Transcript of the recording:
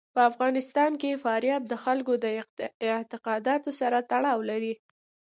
په افغانستان کې فاریاب د خلکو د اعتقاداتو سره تړاو لري.